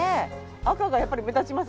赤がやっぱり目立ちます。